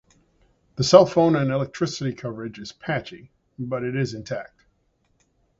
The cellphone and electricity coverage is patchy but is intact.